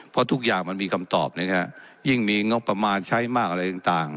เพราะทุกอย่างมันมีคำตอบนะฮะยิ่งมีงบประมาณใช้มากอะไรต่าง